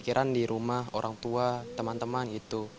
pikiran di rumah orang tua teman teman itu